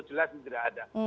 jelas tidak ada